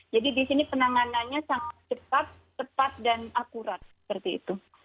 jadi di sini penanganannya sangat cepat tepat dan akurat seperti itu